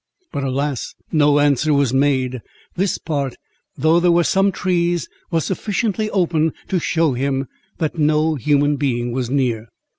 But, alas! no answer was made; this part (though there were some trees) was sufficiently open to shew him that no human being was near.